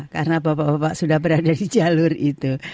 karena bapak bapak sudah berada di jalur itu